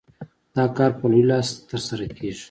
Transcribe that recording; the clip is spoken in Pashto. دا کار په لوی لاس ترسره کېږي.